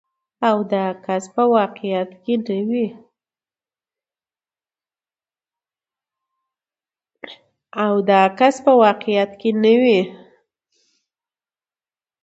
او داسې کس په واقعيت کې نه وي.